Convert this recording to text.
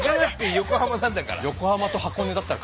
横浜なんだから。